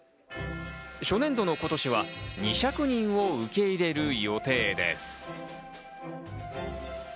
初年度の今年は２００人を受け入れる予定です。